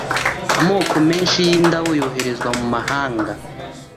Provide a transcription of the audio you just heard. ’amoko menshi y’indabo yoherezwa m’ amahanga